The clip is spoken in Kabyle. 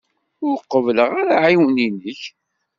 Ur qebbleɣ ara aɛiwen-inek.